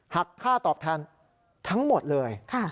หักค่าตอบแทนทั้งหมดเลย